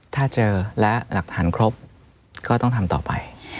ถ้าเจอและหลักฐานครบก็ต้องทำต่อไป